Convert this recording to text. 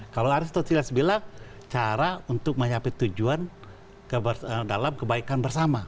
kalau aristot silas bilang cara untuk mencapai tujuan dalam kebaikan bersama